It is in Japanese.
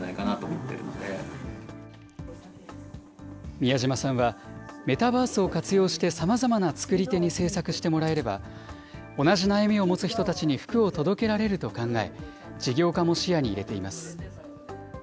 宮島さんは、メタバースを活用してさまざまな作り手に製作してもらえば、同じ悩みを持つ人たちに服を届けられると考え、事業化も視野に入れています。